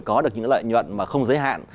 có được những lợi nhuận mà không giới hạn